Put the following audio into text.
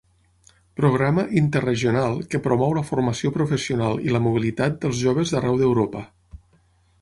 Programa interregional que promou la formació professional i la mobilitat dels joves d'arreu d'Europa.